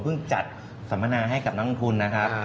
เพิ่งจัดสำนาญให้กับนักลงทุนนะครับ